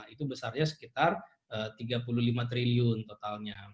itu besarnya sekitar rp tiga puluh lima triliun totalnya